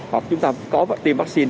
hoặc chúng ta có tiêm vaccine